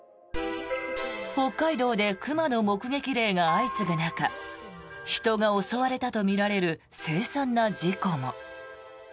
北海道で熊の目撃例が相次ぐ中人が襲われたとみられるせい惨な事故も。